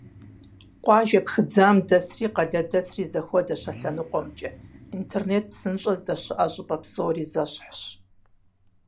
Къуажэ пхыдзам дэсри къалэдэсри зэхуэдэщ а лъэныкъуэмкӀэ, интернет псынщӀэ здэщыӀэ щӀыпӀэ псори зэщхьщ.